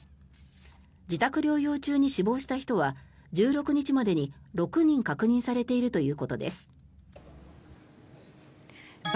自宅療養中に死亡した人は１６日までに６人確認されているということです。